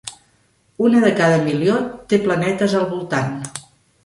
Una de cada milió té planetes al voltant.